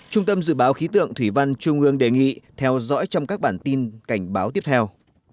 trung tâm dự báo khí tượng thủy văn trung ương đề nghị theo dõi trong các bản tin cảnh báo tiếp theo